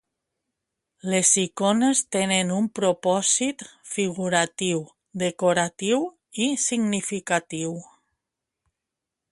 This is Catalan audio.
Les icones tenen un propòsit figuratiu, decoratiu i significatiu.